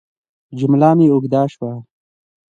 جمله مې اوږده شوه.